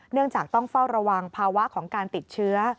เนื่องจากต้องเฝ้าระวังภาวะของการติดเชื้อ